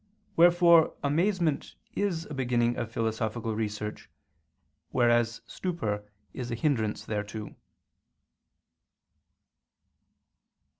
Wherefore amazement is a beginning of philosophical research: whereas stupor is a hindrance thereto.